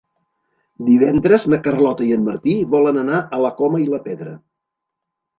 Divendres na Carlota i en Martí volen anar a la Coma i la Pedra.